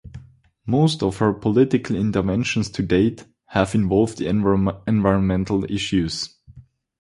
Most of her political interventions to date have involved environmental issues.